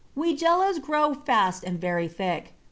Weigelas grow fast and very thick.